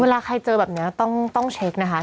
เวลาใครเจอแบบนี้ต้องเช็คนะคะ